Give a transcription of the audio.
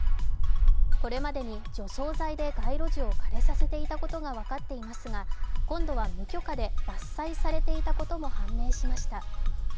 これまでに除草剤で街路樹を枯れさせていたことが分かっていますが、今度は無許可で伐採されていたことも判明しました。